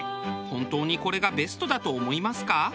本当にこれがベストだと思いますか？